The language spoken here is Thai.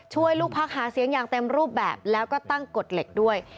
ลูกพักหาเสียงอย่างเต็มรูปแบบแล้วก็ตั้งกฎเหล็กด้วย